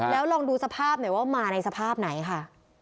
แล้วลองดูสภาพหน่อยว่ามาในสภาพไหนค่ะ